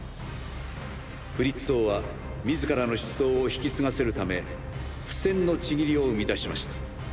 フリッツ王は自らの思想を引き継がせるため「不戦の契り」を生み出しました。